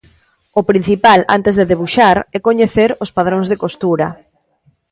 O principal, antes de debuxar, é coñecer os padróns de costura.